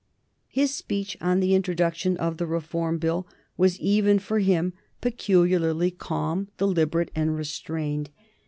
His speech on the introduction of the Reform Bill was even for him peculiarly calm, deliberate, and restrained.